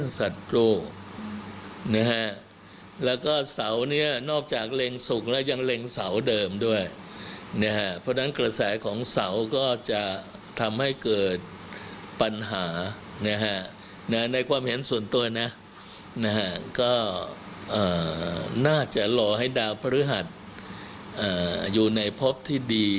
ในความเห็นส่วนตัวก็น่าจะหล่อให้ดาวพฤหัสอยู่ในพบที่ดี